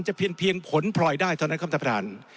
เพียงผลพลอยได้เท่านั้นครับท่านประธาน